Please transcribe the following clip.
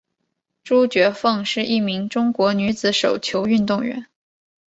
朱觉凤是一名中国女子手球运动员。